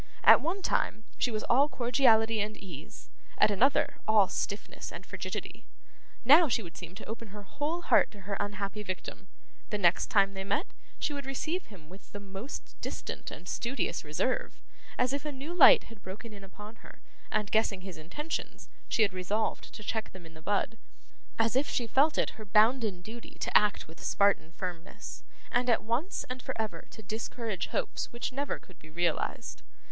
At one time, she was all cordiality and ease; at another, all stiffness and frigidity. Now, she would seem to open her whole heart to her unhappy victim; the next time they met, she would receive him with the most distant and studious reserve, as if a new light had broken in upon her, and, guessing his intentions, she had resolved to check them in the bud; as if she felt it her bounden duty to act with Spartan firmness, and at once and for ever to discourage hopes which never could be realised.